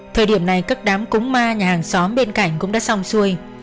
thời điểm này các đám cúng ma nhà hàng xóm bên cạnh cũng đã xong xuôi